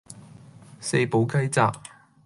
四寶雞扎